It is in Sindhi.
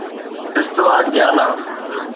استوا گيانا